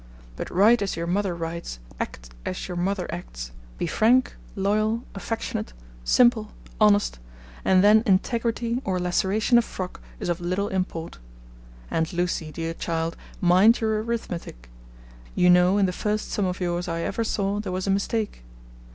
But write as your mother writes, act as your mother acts: be frank, loyal, affectionate, simple, honest, and then integrity or laceration of frock is of little import. And Lucie, dear child, mind your arithmetic. You know in the first sum of yours I ever saw there was a mistake.